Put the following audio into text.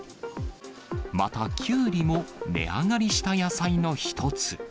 また、きゅうりも値上がりした野菜の１つ。